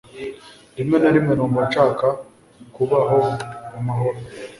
Rimwe na rimwe numva nshaka kubaho mu mahoro.